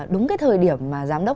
đúng cái thời điểm mà giám đốc